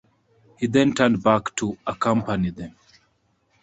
He then turned back to accompany them.